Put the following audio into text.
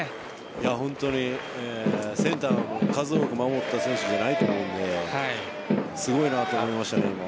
本当にセンターを数多く守った選手じゃないと思うのですごいなと思いました。